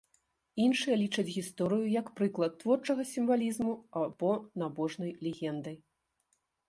Іншыя лічаць гісторыю як прыклад творчага сімвалізму або набожнай легендай.